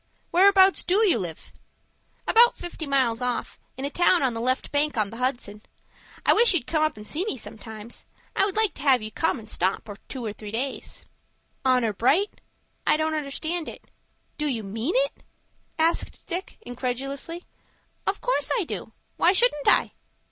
Whereabouts do you live?" "About fifty miles off, in a town on the left bank of the Hudson. I wish you'd come up and see me sometime. I would like to have you come and stop two or three days." "Honor bright?" "I don't understand." "Do you mean it?" asked Dick, incredulously. "Of course I do. Why shouldn't I?"